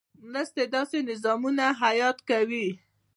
مرستې داسې نظامونه حیات کوي.